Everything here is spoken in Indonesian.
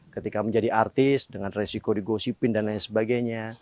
ketika menjadi artis dengan resiko digosipin dan lain sebagainya